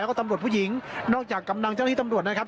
แล้วก็ตำรวจผู้หญิงนอกจากกำลังเจ้าหน้าที่ตำรวจนะครับ